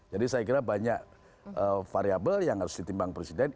jadi saya kira banyak variable yang harus ditimbang presiden